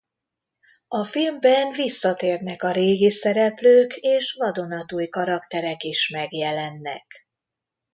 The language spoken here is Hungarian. A filmben visszatérnek a régi szereplők és vadonatúj karakterek is megjelennek.